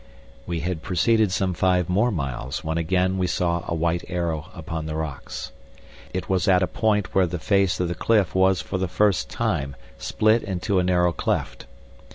We had proceeded some five more miles when again we saw a white arrow upon the rocks. It was at a point where the face of the cliff was for the first time split into a narrow cleft.